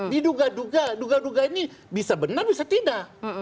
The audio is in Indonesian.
diduga duga duga duga ini bisa benar bisa tidak